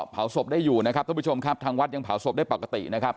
เผาศพได้อยู่นะครับท่านผู้ชมครับทางวัดยังเผาศพได้ปกตินะครับ